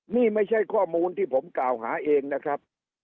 นี่ไม่ใช่ข้อมูลที่ผมกล่าวหาเองนะครับ